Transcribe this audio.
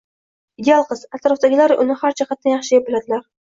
Ideal qiz. Atrofdagilar uni har jihatdan yaxshi deb biladilar.